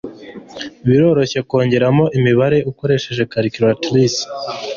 Biroroshye kongeramo imibare ukoresheje calculatrice.